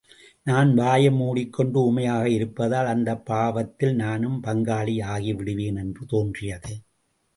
நான் வாயை மூடிக் கொண்டு ஊமையாக இருப்பதால் அந்தப் பாவத்தில் நானும் பங்காளி ஆகிவிடுவேன் என்று தோன்றியது.